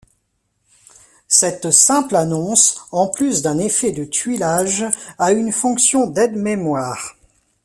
Cette simple annonce, en plus d'un effet de tuilage, a une fonction d'aide-mémoire.